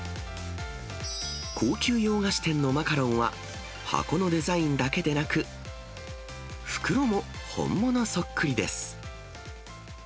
高級洋菓子店のマカロンは、箱のデザインだけでなく、袋も本物そっくりです。